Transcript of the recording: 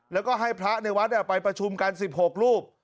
แล้วก็ให้พระในวัดไปประชุมกัน๑๖รูป